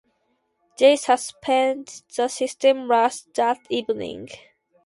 They suspended the system late that evening.